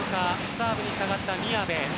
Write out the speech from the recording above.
サーブに下がった宮部。